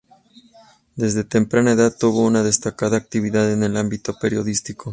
Desde temprana edad tuvo una destacada actividad en el ámbito periodístico.